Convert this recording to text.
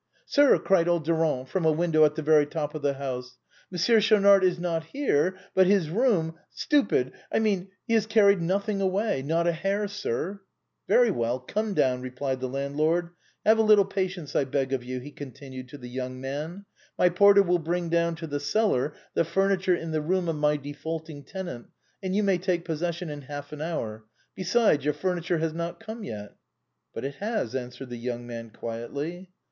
" Sir," cried old Durand from a window at the very top of the house, " Monsieur Schaunard is not here, but his room — stupid !— I mean he has carried nothing away, not a hair, sir !" HOW THE BOHEMIAN CLUB WAS FORMED. 13 " Very well ; come down," replied the landlord. " Have a little patience, I beg of you," he continued to the young man. " My porter will bring down to the cellar the furni ture in the room of my defaulting tenant, and you may take possession in half an hour. Beside, your furniture has not come yet." " But it has," answered the young man quietly.